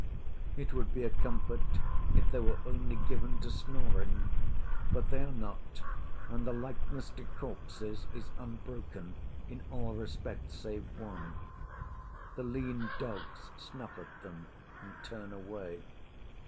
It would be a comfort if they were only given to snoring; but they are not, and the likeness to corpses is unbroken in all respects save one. The lean dogs snuff at them and turn away.